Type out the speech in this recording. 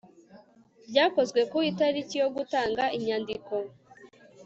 ryakozwe ku itariki yo gutanga inyandiko